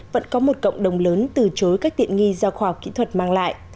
vẫn có một cộng đồng lớn từ chối các tiện nghi do khoa học kỹ thuật mang lại